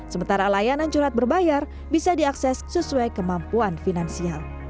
sementara layanan curhat berbayar bisa diakses sesuai kemampuan finansial